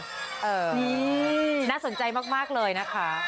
นี่น่าสนใจมากเลยนะคะ